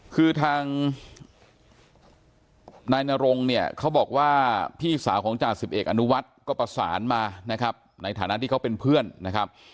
คือทางนายนรงเนี่ยเขาบอกว่าพี่สาวของจ่าสิบเอกอนุวัฒน์ก็ประสานมานะครับในฐานะที่เขาเป็นเพื่อนนะครับ